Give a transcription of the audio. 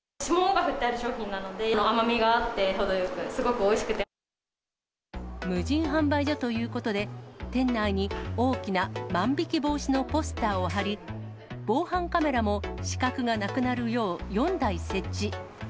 霜が降ってある商品なので、甘みがあって程よく、すごくおい無人販売所ということで、店内に大きな万引き防止のポスターを貼り、防犯カメラも死角がなくなるよう４台設置。